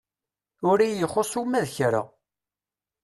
Ur iyi-ixus uma d kra.